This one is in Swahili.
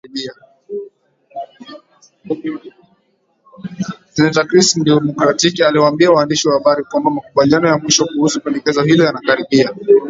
Seneta Chris, Mdemokratiki aliwaambia waandishi wa habari kwamba makubaliano ya mwisho kuhusu pendekezo hilo yanakaribia